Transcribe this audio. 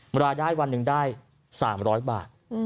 รายได้วันหนึ่งได้๓๐๐บาท